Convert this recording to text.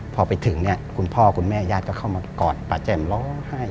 พอไปถึงเนี่ยคุณพ่อคุณแม่ญาติก็เข้ามากอดป้าแจ่มร้องไห้